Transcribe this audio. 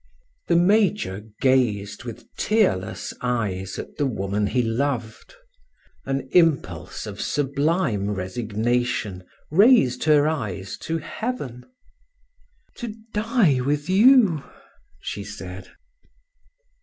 The major gazed with tearless eyes at the woman he loved; an impulse of sublime resignation raised her eyes to heaven. "To die with you!" she said.